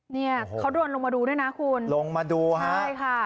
เนี่ยเขาโดนลงมาดูด้วยนะคุณลงมาดูฮะใช่ค่ะ